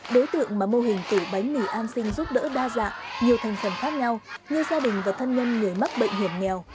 đối tượng mà mô hình tủ bánh mì an sinh giúp đỡ đa dạng nhiều thành phần khác nhau như gia đình và thân nhân người mắc bệnh hiểm nghèo